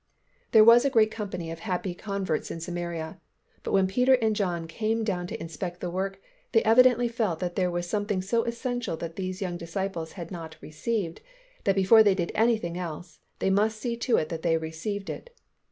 There was a great company of happy converts in Samaria, but when Peter and John came down to inspect the work, they evidently felt that there was something so essential that these young disciples had not received that before they did anything else, they must see to it that they received it.